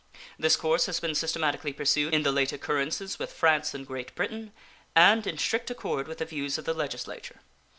This course has been systematically pursued in the late occurrences with France and Great Britain, and in strict accord with the views of the Legislature.